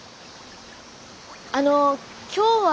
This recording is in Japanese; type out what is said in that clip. あの今日は。